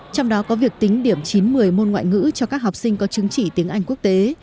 trong đó có việc tính điểm chín một mươi môn ngoại ngữ cho các học sinh có chứng chỉ tiếng anh quốc tế